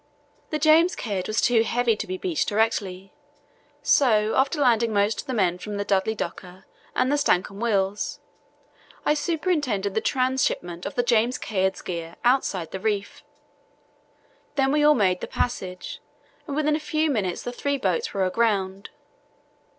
The James Caird was too heavy to be beached directly, so after landing most of the men from the Dudley Docker and the Stancomb Wills I superintended the transhipment of the James Caird's gear outside the reef. Then we all made the passage, and within a few minutes the three boats were aground.